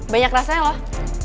banyak rasanya loh